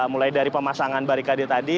mulai dari pemasangan barikade tadi